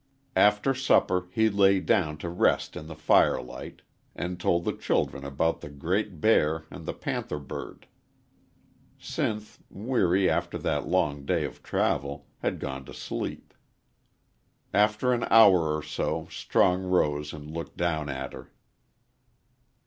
After supper he lay down to rest in the firelight, and told the children about the great bear and the panther bird. Sinth, weary after that long day of travel, had gone to sleep. After an hour or so Strong rose and looked down at her.